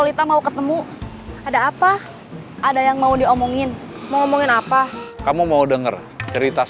dia terjerat masalah yang dia bikin sendiri